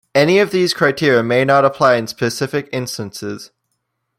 Any of these criteria may not apply in specific instances.